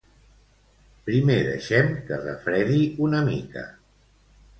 Primer deixem que refredi una mica.